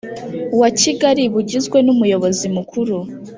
Wa kigali bugizwe n umuyobozi mukuru